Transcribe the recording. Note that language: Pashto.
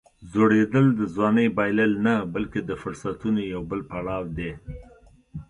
زوړېدل د ځوانۍ بایلل نه، بلکې د فرصتونو یو بل پړاو دی.